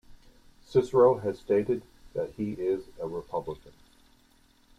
Sirico has stated that he is a Republican.